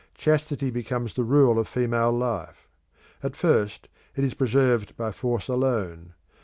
Chastity becomes the rule of female life. At first it is preserved by force alone.